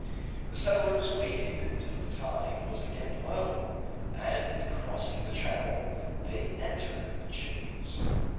The settlers waited till the tide was again low, and crossing the channel they entered the Chimneys.